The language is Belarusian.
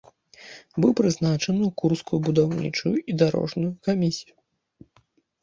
Быў прызначаны ў курскую будаўнічую і дарожную камісію.